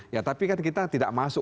ya tapi kan kita tidak masuk